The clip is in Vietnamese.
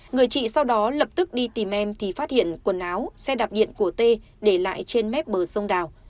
người chị sau đó lập tức đi tìm em thì phát hiện quần áo xe đạp điện của t để lại trên mép bờ sông đào